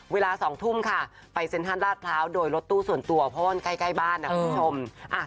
เวลา๒ทุ่มค่ะไปเซ็นทรัลลาดพร้าวโดยรถตู้ส่วนตัวเพราะว่ามันใกล้บ้านนะคุณผู้ชม